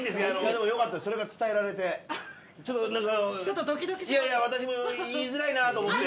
でもいやいや私も言いづらいなと思って。